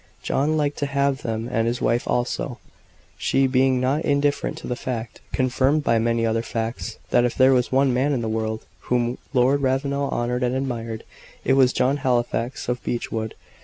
John liked to have them, and his wife also she being not indifferent to the fact, confirmed by many other facts, that if there was one man in the world whom Lord Ravenel honoured and admired, it was John Halifax of Beechwood.